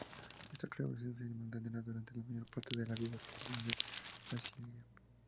Esta colaboración se mantendrá durante la mayor parte de la vida profesional de Vasíliev.